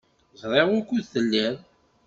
Ẓriɣ wukud telliḍ.